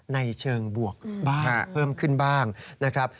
ในเชิงบวกบ้างเพิ่มขึ้นบ้างนะครับ